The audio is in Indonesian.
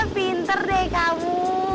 pinter deh kamu